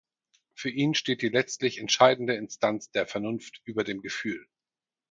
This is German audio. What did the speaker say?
Für ihn steht die letztlich entscheidende Instanz der Vernunft über dem Gefühl.